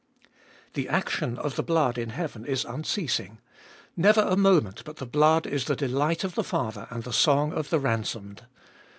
The action of the blood in heaven is unceasing — never a moment but the blood is the delight of the Father and the song of the ransomed.